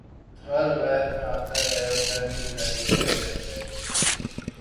تھا روایات میں آتا ہے حسین بن علی کہتے تھے